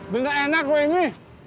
bukan enak weh ini